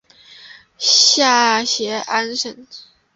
下辖安省。